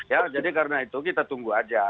ya jadi karena itu kita tunggu aja